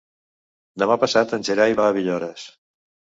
Demà passat en Gerai va a Villores.